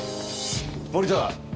森田。